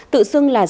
tự xưng là giảng vụ